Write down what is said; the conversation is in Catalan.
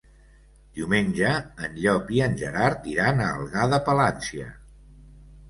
Diumenge en Llop i en Gerard iran a Algar de Palància.